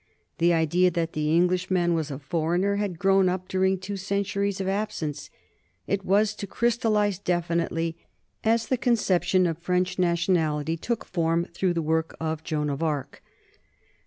The idea that the Englishman was a foreigner had grown up during two centuries of absence; it was to crystallize definitely as the conception of French na tionality took form through the work of Joan of Arc.